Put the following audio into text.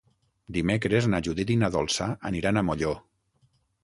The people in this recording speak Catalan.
Dimecres na Judit i na Dolça aniran a Molló.